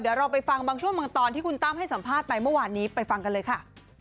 เดี๋ยวเราไปฟังบางช่วงบางตอนที่คุณตั้มให้สัมภาษณ์ไปเมื่อวานนี้ไปฟังกันเลยค่ะ